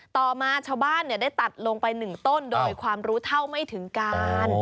ต่อมาชาวบ้านได้ตัดลงไป๑ต้นโดยความรู้เท่าไม่ถึงการ